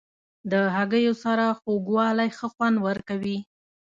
د هګیو سره خوږوالی ښه خوند ورکوي.